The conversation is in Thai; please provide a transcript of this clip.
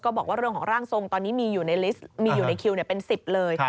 บอกว่าเรื่องของร่างทรงตอนนี้มีอยู่ในคิวเป็น๑๐เลย